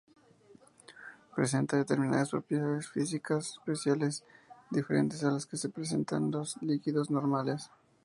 Presenta determinadas propiedades físicas especiales, diferentes a las que presentan los líquidos normales.